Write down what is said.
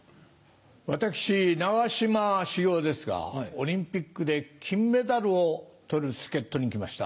私長嶋茂雄ですがオリンピックで金メダルを取る助っ人に来ました。